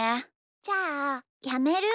じゃあやめる？